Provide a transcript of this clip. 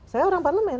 saya orang parlemen